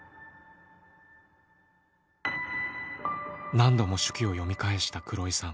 何度も手記を読み返した黒井さん。